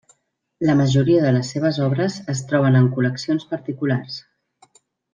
La majoria de les seves obres es troben en col·leccions particulars.